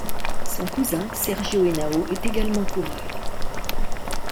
Son cousin Sergio Henao est également coureur.